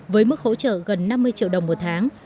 với mức hỗ trợ gần năm mươi triệu đồng một tháng